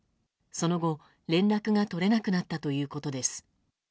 その後、連絡が取れなくなったということです。